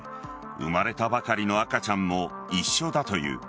生まれたばかりの赤ちゃんも一緒だという。